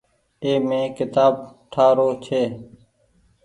اي مين ڪيتآب ٺآ رو ڇي۔